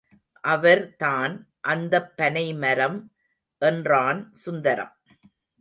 அவர் தான், அந்தப் பனைமரம் என்றான் சுந்தரம்.